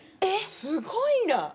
すごいな。